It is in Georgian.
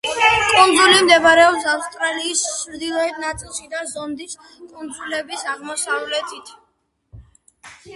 კუნძული მდებარეობს ავსტრალიის ჩრდილოეთ ნაწილში, და ზონდის კუნძულების აღმოსავლეთით.